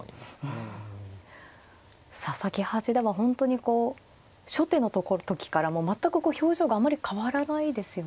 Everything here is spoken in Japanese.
佐々木八段は本当にこう初手の時から全く表情があまり変わらないですよね。